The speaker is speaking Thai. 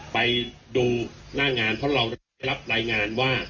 ไปดูหน้างานเพราะเราได้รับรายงานว่า